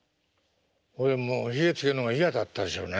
ほいでもうヒゲつけるのが嫌だったでしょうね。